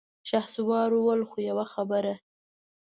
شهسوار وويل: خو يوه خبره!